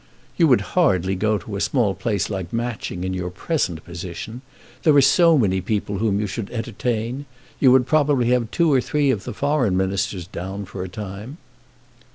"You would hardly go to a small place like Matching in your present position. There are so many people whom you should entertain! You would probably have two or three of the foreign ministers down for a time."